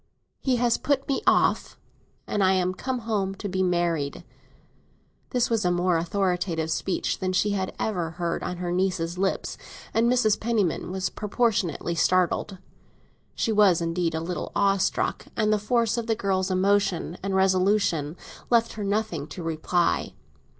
He has put me off. I am come home to be married." This was a more authoritative speech than she had ever heard on her niece's lips, and Mrs. Penniman was proportionately startled. She was indeed a little awestruck, and the force of the girl's emotion and resolution left her nothing to reply.